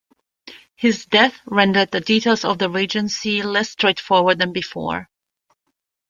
His death rendered the details of the Regency less straightforward than before.